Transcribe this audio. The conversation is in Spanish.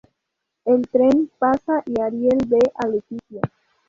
El tren pasa y Ariel ve a Leticia.